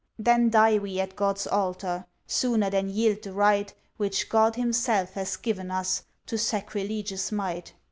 "Then die we at God's Altar, Sooner than yield the right Which God Himself has given us, To sacrilegious might."